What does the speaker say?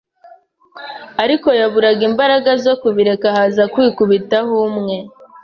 ariko yaburaga imbaraga zo kubireka haza kwikubitiraho umwe